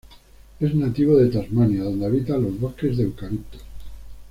Es nativo de Tasmania donde habita los bosques de eucaliptos.